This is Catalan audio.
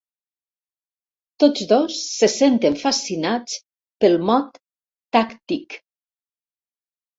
Tots dos se senten fascinats pel mot "tàctic".